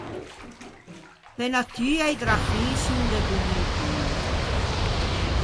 Pe natua i drafin son de bon incontro.